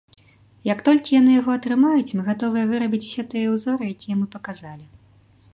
Як толькі яны яго атрымаюць, мы гатовыя вырабіць усе тыя ўзоры, якія мы паказалі.